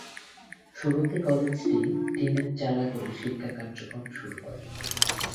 শুরুতে কলেজটি টিনের চালা ঘরে শিক্ষা কার্যক্রম শুরু করে।